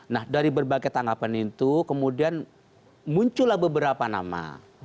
nah dari berbagai tanggapan itu kemudian muncullah beberapa nama